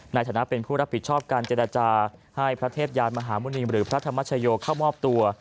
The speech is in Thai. ในฐานะเป็นผู้รับผิดชอบการเจรจาให้พระเทพยานมหาหมุณีหรือพระธรรมชโยเข้ามอบตัว